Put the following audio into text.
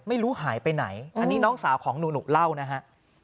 ไม่รู้หายไปไหนอันนี้น้องสาวของหนูเล่านะฮะ